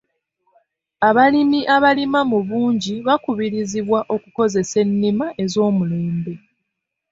Abalimi abalima mu bungi bakubirizibwa okukozesa ennima ez'omulembe.